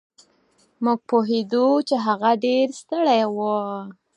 مونږ پوهېدو چې هغه ډېر ستړی و.